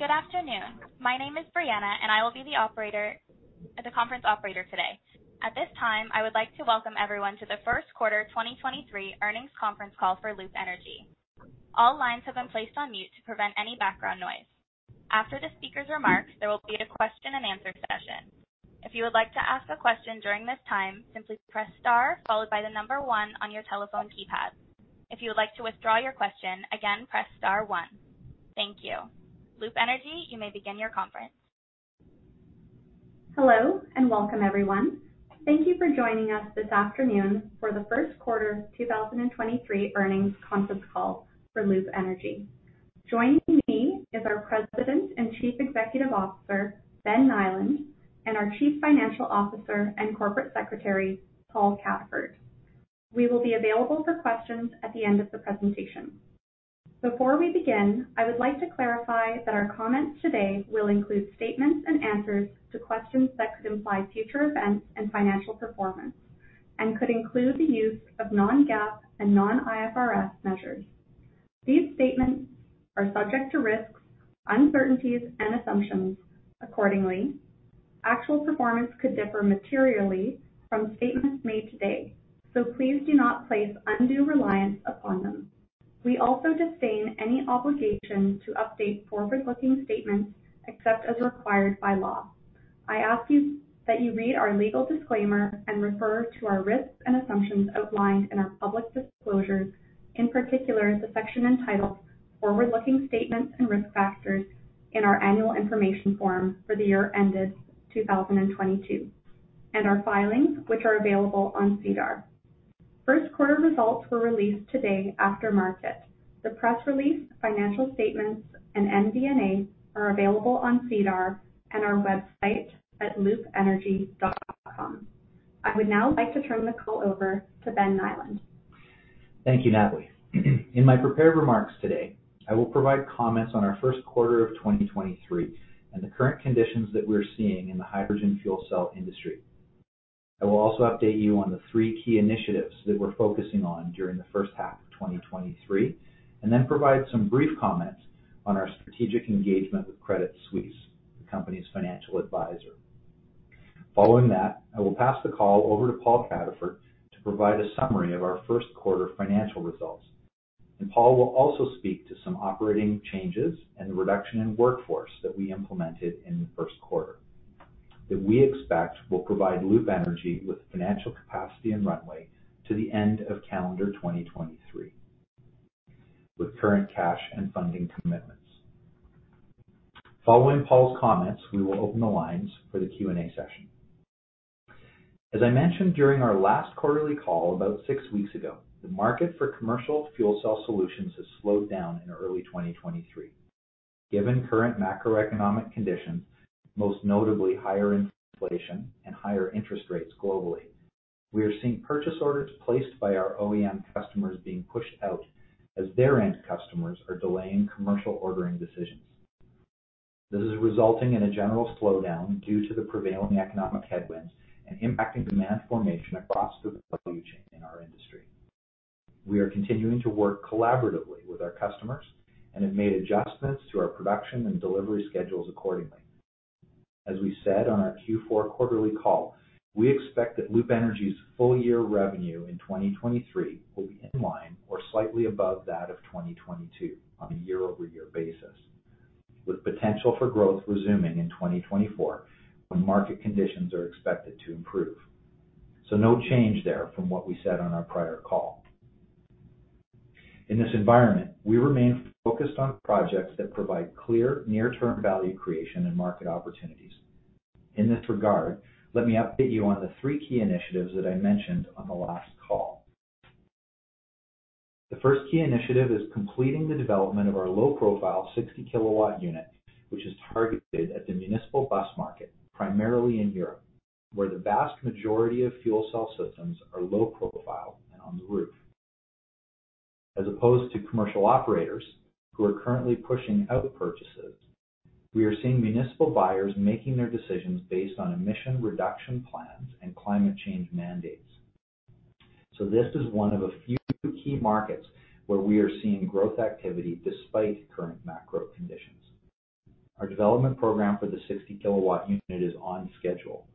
Good afternoon. My name is Brianna. I will be the conference operator today. At this time, I would like to welcome everyone to the first quarter 2023 earnings conference call for Loop Energy. All lines have been placed on mute to prevent any background noise. After the speaker's remarks, there will be a question-and-answer session. If you would like to ask a question during this time, simply press star followed by one on your telephone keypad. If you would like to withdraw your question, again, press star one. Thank you. Loop Energy, you may begin your conference. Hello and welcome, everyone. Thank you for joining us this afternoon for the first quarter 2023 earnings conference call for Loop Energy. Joining me is our President and Chief Executive Officer, Ben Nyland; and our Chief Financial Officer and Corporate Secretary, Paul Cataford. We will be available for questions at the end of the presentation. Before we begin, I would like to clarify that our comments today will include statements and answers to questions that could imply future events and financial performance, and could include the use of non-GAAP and non-IFRS measures. These statements are subject to risks, uncertainties, and assumptions. Accordingly, actual performance could differ materially from statements made today. Please do not place undue reliance upon them. We also disclaim any obligation to update forward-looking statements except as required by law. I ask you that you read our legal disclaimer and refer to our risks and assumptions outlined in our public disclosures, in particular, the section entitled Forward-Looking Statements and Risk Factors in our annual information form for the year ended 2022, and our filings, which are available on SEDAR. First quarter results were released today after market. The press release, financial statements, and MD&A are available on SEDAR and our website at loopenergy.com. I would now like to turn the call over to Ben Nyland. Thank you, Natalie. In my prepared remarks today, I will provide comments on our first quarter of 2023 and the current conditions that we're seeing in the hydrogen fuel cell industry. I will also update you on the three key initiatives that we're focusing on during the first half of 2023, and then provide some brief comments on our strategic engagement with Credit Suisse, the company's financial advisor. Following that, I will pass the call over to Paul Cataford to provide a summary of our first quarter financial results. Paul will also speak to some operating changes and the reduction in workforce that we implemented in the first quarter that we expect will provide Loop Energy with financial capacity and runway to the end of calendar 2023 with current cash and funding commitments. Following Paul's comments, we will open the lines for the Q&A session. As I mentioned during our last quarterly call about six weeks ago, the market for commercial fuel cell solutions has slowed down in early 2023. Given current macroeconomic conditions, most notably higher inflation and higher interest rates globally, we are seeing purchase orders placed by our OEM customers being pushed out as their end customers are delaying commercial ordering decisions. This is resulting in a general slowdown due to the prevailing economic headwinds and impacting demand formation across the value chain in our industry. We are continuing to work collaboratively with our customers and have made adjustments to our production and delivery schedules accordingly. As we said on our Q4 quarterly call, we expect that Loop Energy's full-year revenue in 2023 will be in line or slightly above that of 2022 on a year-over-year basis, with potential for growth resuming in 2024 when market conditions are expected to improve. No change there from what we said on our prior call. In this environment, we remain focused on projects that provide clear near-term value creation and market opportunities. In this regard, let me update you on the three key initiatives that I mentioned on the last call. The first key initiative is completing the development of our low-profile 60 kW unit, which is targeted at the municipal bus market, primarily in Europe, where the vast majority of fuel cell systems are low-profile and on the roof. As opposed to commercial operators who are currently pushing out purchases, we are seeing municipal buyers making their decisions based on emission reduction plans and climate change mandates. This is one of a few key markets where we are seeing growth activity despite current macro conditions. Our development program for the 60 kW unit is on schedule.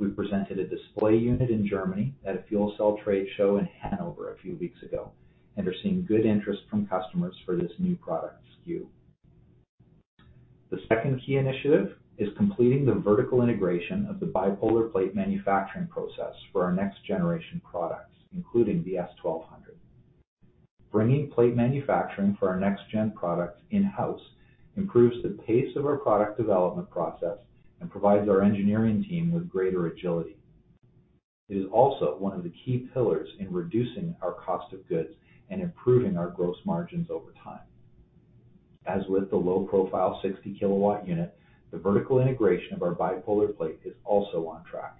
We presented a display unit in Germany at a fuel cell trade show in Hanover a few weeks ago, are seeing good interest from customers for this new product SKU. The second key initiative is completing the vertical integration of the bipolar plate manufacturing process for our next generation products, including the S1200. Bringing plate manufacturing for our next gen products in-house improves the pace of our product development process and provides our engineering team with greater agility. It is also one of the key pillars in reducing our cost of goods and improving our gross margins over time. As with the low-profile 60 kW unit, the vertical integration of our bipolar plate is also on track.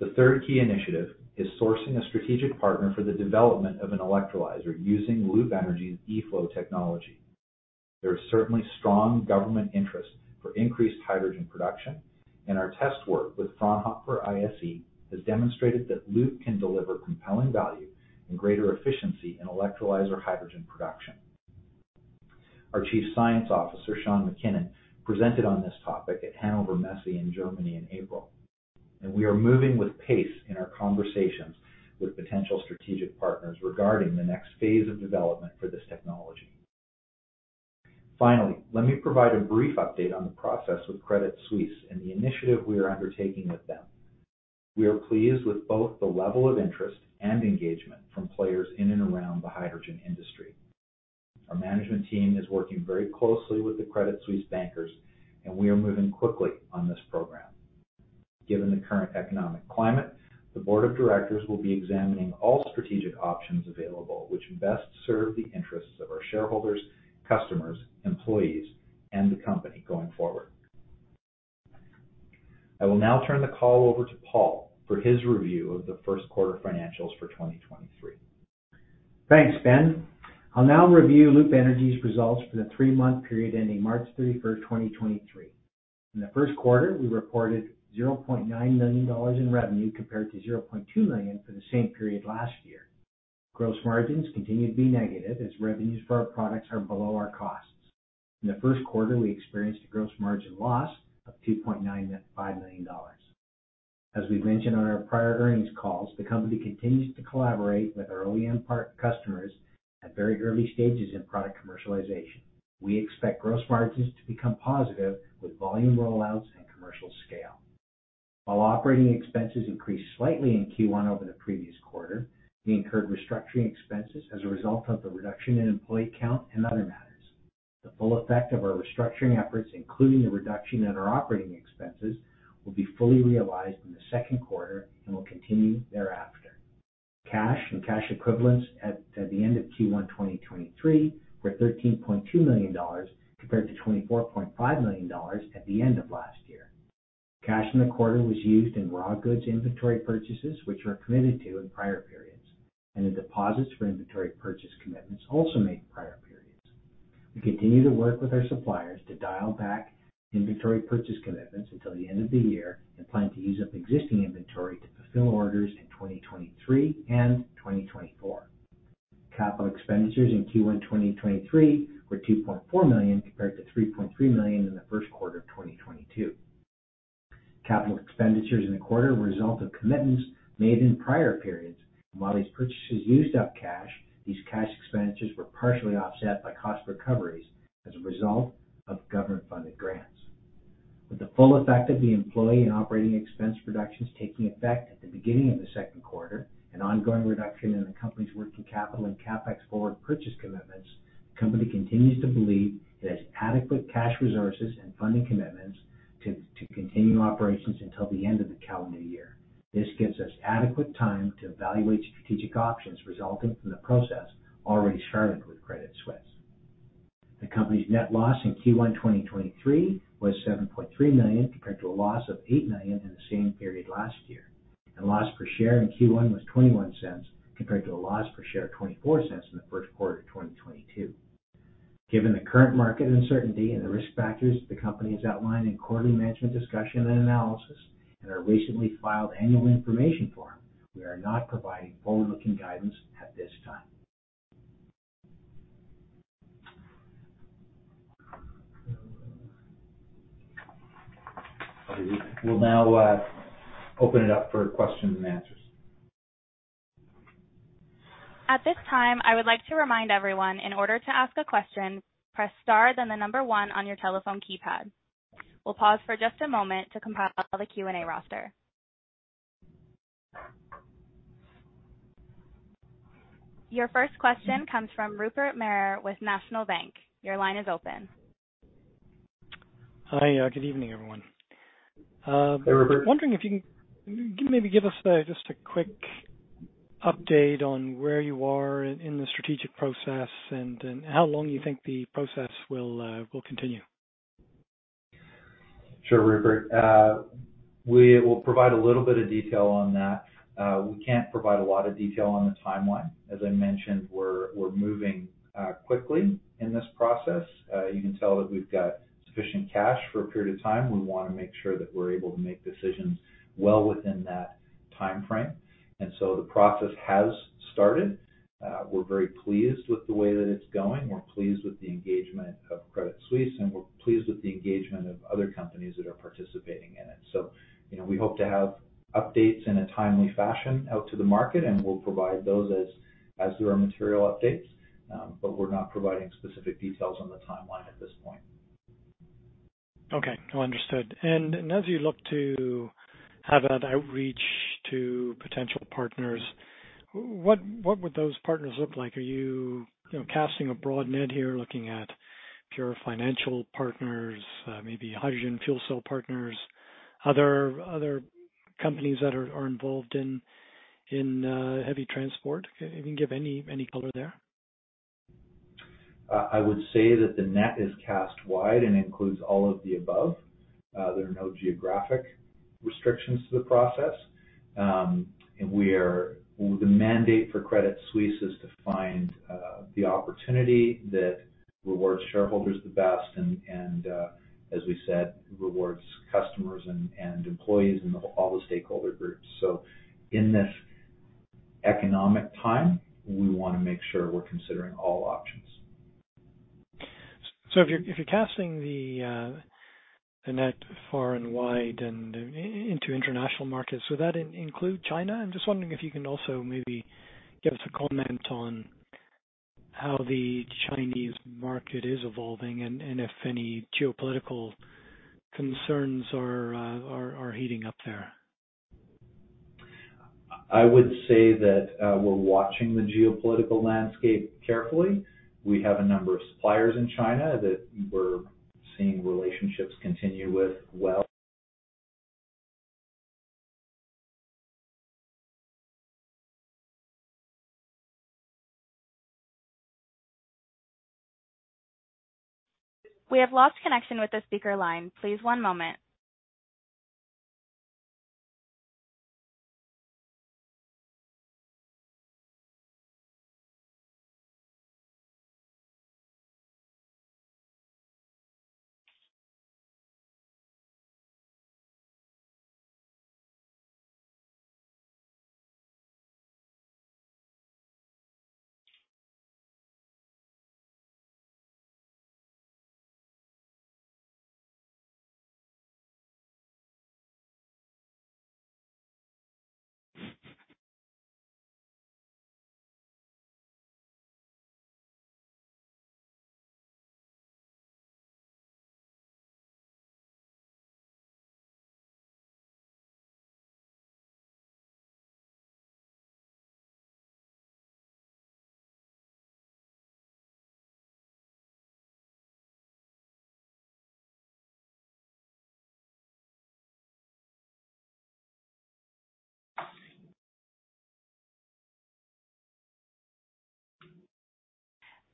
The third key initiative is sourcing a strategic partner for the development of an electrolyzer using Loop Energy's eFlow technology. There is certainly strong government interest for increased hydrogen production. Our test work with Fraunhofer ISE has demonstrated that Loop can deliver compelling value and greater efficiency in electrolyzer hydrogen production. Our Chief Science Officer, Sean MacKinnon, presented on this topic at Hannover Messe in Germany in April. We are moving with pace in our conversations with potential strategic partners regarding the next phase of development for this technology. Finally, let me provide a brief update on the process with Credit Suisse and the initiative we are undertaking with them. We are pleased with both the level of interest and engagement from players in and around the hydrogen industry. Our management team is working very closely with the Credit Suisse bankers, and we are moving quickly on this program. Given the current economic climate, the board of directors will be examining all strategic options available which best serve the interests of our shareholders, customers, employees, and the company going forward. I will now turn the call over to Paul for his review of the first quarter financials for 2023. Thanks, Ben. I'll now review Loop Energy's results for the three-month period ending March 31, 2023. In the first quarter, we reported 0.9 million dollars in revenue compared to 0.2 million for the same period last year. Gross margins continue to be negative as revenues for our products are below our costs. In the first quarter, we experienced a gross margin loss of 2.95 million dollars. As we mentioned on our prior earnings calls, the company continues to collaborate with our OEM part customers at very early stages in product commercialization. We expect gross margins to become positive with volume rollouts and commercial scale. While operating expenses increased slightly in Q1 over the previous quarter, we incurred restructuring expenses as a result of the reduction in employee count and other matters. The full effect of our restructuring efforts, including the reduction in our operating expenses, will be fully realized in the second quarter and will continue thereafter. Cash and cash equivalents at the end of Q1 2023 were 13.2 million dollars compared to 24.5 million dollars at the end of last year. Cash in the quarter was used in raw goods inventory purchases, which were committed to in prior periods, and the deposits for inventory purchase commitments also made in prior periods. We continue to work with our suppliers to dial back inventory purchase commitments until the end of the year and plan to use up existing inventory to fulfill orders in 2023 and 2024. Capital expenditures in Q1 2023 were 2.4 million compared to 3.3 million in the first quarter of 2022. Capital expenditures in the quarter were a result of commitments made in prior periods. While these purchases used up cash, these cash expenditures were partially offset by cost recoveries as a result of government-funded grants. With the full effect of the employee and operating expense reductions taking effect at the beginning of the second quarter, an ongoing reduction in the company's working capital and CapEx forward purchase commitments, the company continues to believe it has adequate cash resources and funding commitments to continue operations until the end of the calendar year. This gives us adequate time to evaluate strategic options resulting from the process already started with Credit Suisse. The company's net loss in Q1, 2023 was 7.3 million, compared to a loss of 8 million in the same period last year. Loss per share in Q1 was 0.21, compared to a loss per share of 0.24 in the first quarter of 2022. Given the current market uncertainty and the risk factors the company has outlined in quarterly Management Discussion and Analysis in our recently filed Annual Information Form, we are not providing forward-looking guidance at this time. We'll now open it up for questions and answers. At this time, I would like to remind everyone in order to ask a question, press star then the number one on your telephone keypad. We'll pause for just a moment to compile the Q&A roster. Your first question comes from Rupert Merer with National Bank. Your line is open. Hi. Good evening, everyone. Hi, Rupert. I was wondering if you can maybe give us just a quick update on where you are in the strategic process and then how long you think the process will continue? Sure, Rupert. We will provide a little bit of detail on that. We can't provide a lot of detail on the timeline. As I mentioned, we're moving quickly in this process. You can tell that we've got sufficient cash for a period of time. We wanna make sure that we're able to make decisions well within that timeframe. The process has started. We're very pleased with the way that it's going. We're pleased with the engagement of Credit Suisse, and we're pleased with the engagement of other companies that are participating in it. You know, we hope to have updates in a timely fashion out to the market, and we'll provide those as there are material updates, but we're not providing specific details on the timeline at this point. Okay. No, understood. As you look to have that outreach to potential partners, what would those partners look like? Are you know, casting a broad net here, looking at pure financial partners, maybe hydrogen fuel cell partners, other companies that are involved in heavy transport? If you can give any color there? I would say that the net is cast wide and includes all of the above. There are no geographic restrictions to the process. The mandate for Credit Suisse is to find the opportunity that rewards shareholders the best and, as we said, rewards customers and employees and all the stakeholder groups. In this economic time, we want to make sure we're considering all options. If you're, if you're casting the net far and wide and into international markets, would that include China? I'm just wondering if you can also maybe give us a comment on how the Chinese market is evolving and if any geopolitical concerns are heating up there. I would say that, we're watching the geopolitical landscape carefully. We have a number of suppliers in China that we're seeing relationships continue with well. We have lost connection with the speaker line. Please one moment.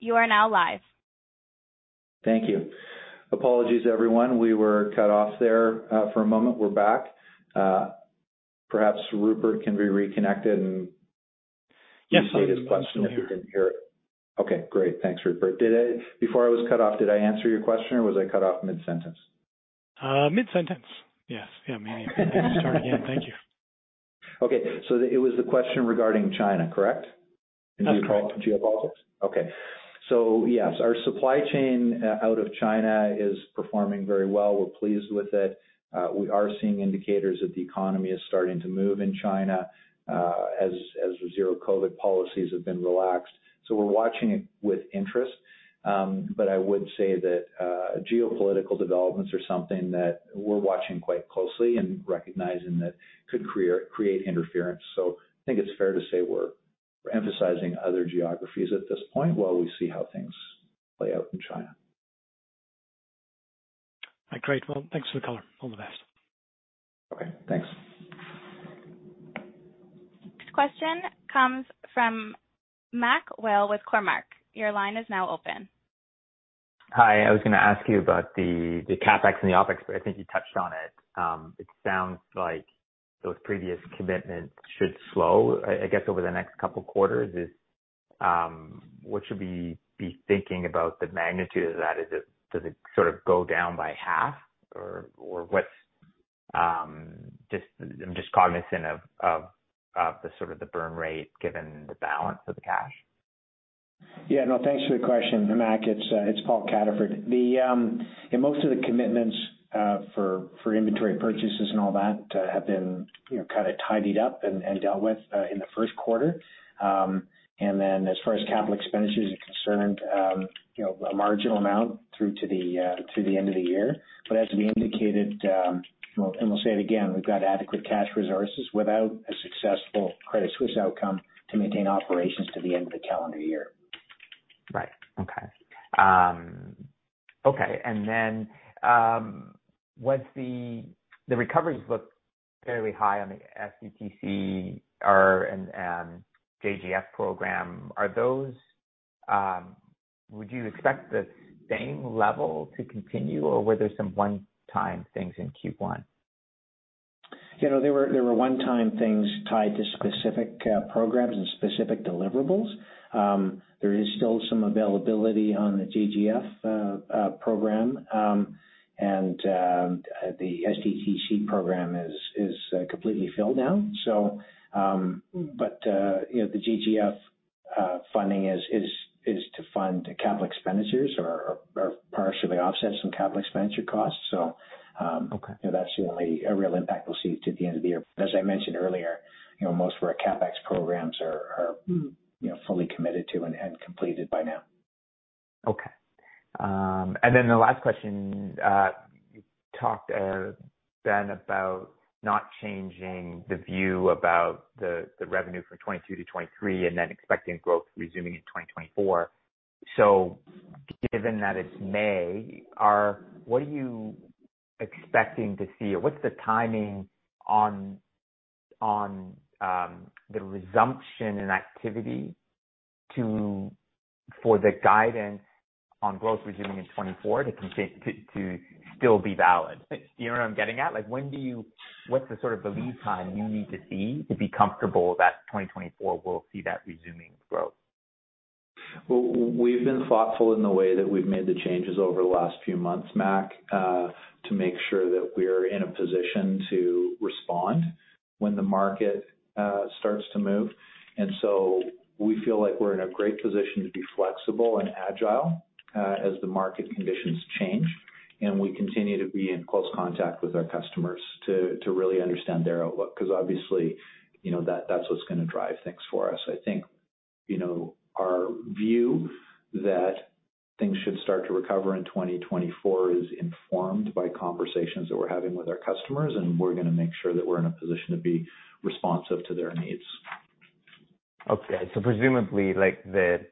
You are now live. Thank you. Apologies, everyone. We were cut off there for a moment. We're back. Perhaps Rupert can be reconnected. Yes. Repeat his question if you didn't hear it. Okay, great. Thanks, Rupert. Before I was cut off, did I answer your question or was I cut off mid-sentence? Mid-sentence. Yes. Yeah. Maybe start again. Thank you. Okay. It was the question regarding China, correct? That's correct. Geopolitics? Okay. Yes, our supply chain out of China is performing very well. We're pleased with it. We are seeing indicators that the economy is starting to move in China, as the zero COVID policies have been relaxed. We're watching it with interest. I would say that geopolitical developments are something that we're watching quite closely and recognizing that could create interference. I think it's fair to say we're emphasizing other geographies at this point while we see how things play out in China. Great. Well, thanks for the color. All the best. Okay, thanks. Next question comes from Mac Whale with Cormark Securities. Your line is now open. Hi. I was gonna ask you about the CapEx and the OpEx, but I think you touched on it. It sounds like those previous commitments should slow, I guess, over the next couple quarters. What should we be thinking about the magnitude of that? Does it sort of go down by half or what's? I'm just cognizant of the sort of the burn rate given the balance of the cash. Yeah. No, thanks for the question, Mac Whale. It's, it's Paul Cataford. Most of the commitments, for inventory purchases and all that have been, you know, kind of tidied up and dealt with, in the first quarter. As far as capital expenditures are concerned, you know, a marginal amount through to the, through the end of the year. But as we indicated, well, and we'll say it again, we've got adequate cash resources without a successful Credit Suisse outcome to maintain operations to the end of the calendar year. Right. Okay. The recoveries look fairly high on the SDTC or, and JGF program. Are those? Would you expect the same level to continue, or were there some one-time things in Q1? You know, there were one-time things tied to specific programs and specific deliverables. There is still some availability on the JGF program. And the SDTC program is completely filled now. But, you know, the JGF funding is to fund capital expenditures or partially offset some capital expenditure costs. Okay. That's the only real impact we'll see to the end of the year. As I mentioned earlier, you know, most of our CapEx programs. Mm. You know, fully committed to and completed by now. The last question. You talked, Ben, about not changing the view about the revenue from 2022 to 2023 and expecting growth resuming in 2024. Given that it's May, what are you expecting to see? What's the timing on the resumption in activity for the guidance on growth resuming in 2024 to still be valid. Do you know what I'm getting at? Like, when do you what's the sort of the lead time you need to see to be comfortable that 2024 will see that resuming growth? We've been thoughtful in the way that we've made the changes over the last few months, Mac, to make sure that we're in a position to respond when the market starts to move. We feel like we're in a great position to be flexible and agile as the market conditions change, and we continue to be in close contact with our customers to really understand their outlook, because obviously, you know, that's what's gonna drive things for us. I think, you know, our view that things should start to recover in 2024 is informed by conversations that we're having with our customers, and we're gonna make sure that we're in a position to be responsive to their needs. Okay. Presumably, like, the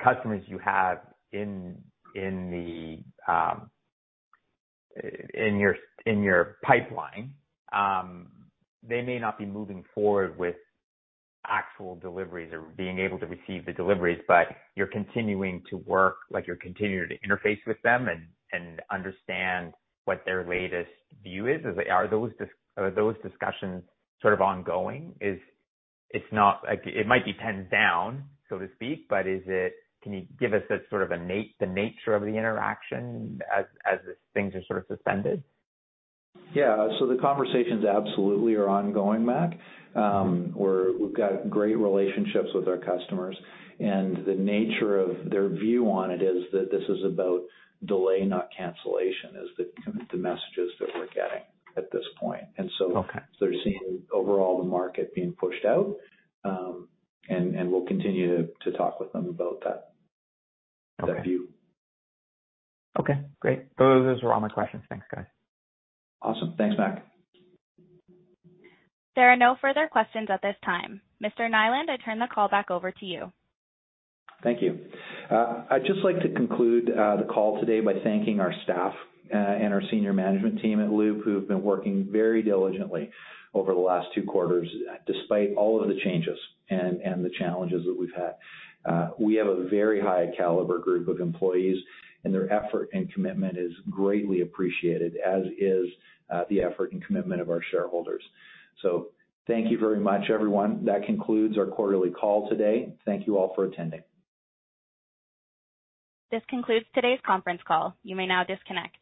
customers you have in the pipeline, they may not be moving forward with actual deliveries or being able to receive the deliveries, but you're continuing to work, like you're continuing to interface with them and understand what their latest view is. Are those discussions sort of ongoing? It might be pinned down, so to speak, but is it? Can you give us a sort of the nature of the interaction as things are sort of suspended? Yeah. The conversations absolutely are ongoing, Mac. We've got great relationships with our customers, and the nature of their view on it is that this is about delay, not cancellation, is the messages that we're getting at this point. Okay. They're seeing overall the market being pushed out, and we'll continue to talk with them about that... Okay that view. Okay, great. Those were all my questions. Thanks, guys. Awesome. Thanks, Mac. There are no further questions at this time. Mr. Nyland, I turn the call back over to you. Thank you. I'd just like to conclude the call today by thanking our staff, and our senior management team at Loop who've been working very diligently over the last two quarters, despite all of the changes and the challenges that we've had. We have a very high caliber group of employees, and their effort and commitment is greatly appreciated, as is the effort and commitment of our shareholders. Thank you very much, everyone. That concludes our quarterly call today. Thank you all for attending. This concludes today's conference call. You may now disconnect.